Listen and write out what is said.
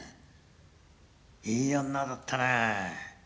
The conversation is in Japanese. いい女だったね。